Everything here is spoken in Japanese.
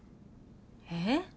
えっ？